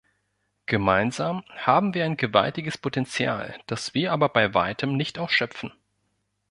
Gemeinsam haben wir ein gewaltiges Potenzial, das wir aber bei Weitem nicht ausschöpfen.